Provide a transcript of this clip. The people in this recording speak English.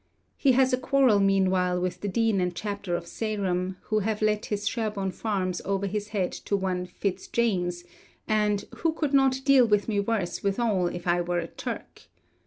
He has a quarrel meanwhile with the Dean and Chapter of Sarum, who have let his Sherborne farms over his head to one Fitzjames, and 'who could not deal with me worse withal if I were a Turk.'